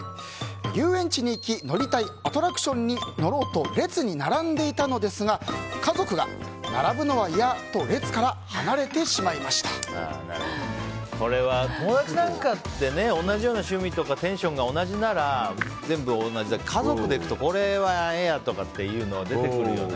遊園地に行き乗りたいアトラクションに乗ろうと列に並んでいたのですが家族が並ぶのは嫌とこれは、友達なんかで同じような趣味とかテンションが同じなら全部同じだけど家族で行くと、これは嫌だとか出てくるよね。